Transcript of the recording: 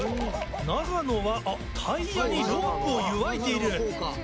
長野はあっタイヤにロープを結わえている。